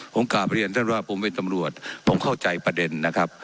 ผมกลับเรียนท่านว่าผมเป็นตำรวจผมเข้าใจประเด็นนะครับ